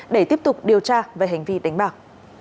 để tiếp tục điều tra về hành vi đánh bạc